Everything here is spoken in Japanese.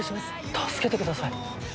助けてください